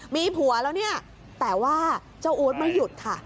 มีผัวแล้วเนี่ยแต่ว่าเจ้าอู๊ดไม่หยุดค่ะ